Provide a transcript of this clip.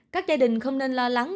các gia đình không nên lo lắng